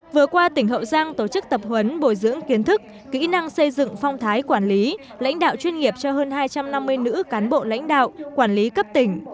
vừa qua tỉnh hậu giang tổ chức tập huấn bồi dưỡng kiến thức kỹ năng xây dựng phong thái quản lý lãnh đạo chuyên nghiệp cho hơn hai trăm năm mươi nữ cán bộ lãnh đạo quản lý cấp tỉnh